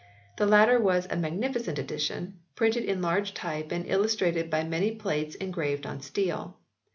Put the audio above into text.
The latter was a magnificent edition printed in large type and illus trated by many plates engraved on steel.